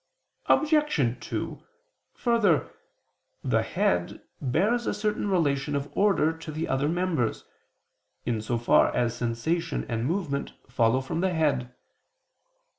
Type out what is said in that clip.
Obj. 2: Further, the head bears a certain relation of order to the other members, in so far as sensation and movement follow from the head.